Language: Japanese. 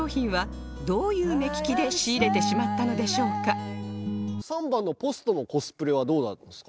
その他の３番のポストのコスプレはどうなんですか？